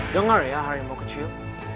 dengar ya harimau kecil